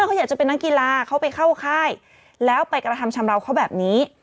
เขาอยากจะเป็นนักกีฬาเขาไปเข้าค่ายแล้วไปกระทำชำราวเขาแบบนี้